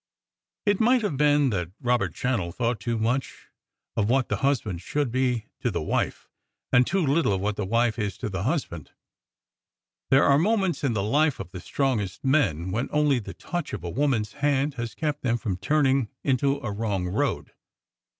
It might have been that Robert Channell thought too much of what the husband should be to the wife, and too little of what the wife is to the husband. There are moments in the life of the strongest men when only the touch of a woman's hand has kept them from turning into a wrong road.